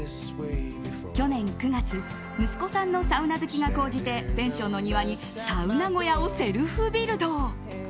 去年９月息子さんのサウナ好きが高じてペンションの庭にサウナ小屋をセルフビルド。